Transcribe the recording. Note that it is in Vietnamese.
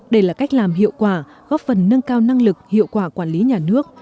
đây là cách làm hiệu quả góp phần nâng cao năng lực hiệu quả quản lý nhà nước